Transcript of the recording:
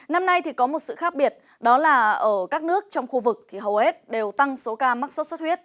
năm nay thì có một sự khác biệt đó là ở các nước trong khu vực thì hầu hết đều tăng số ca mắc sốt xuất huyết